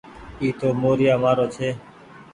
اي تو موريآ مآرو ڇي۔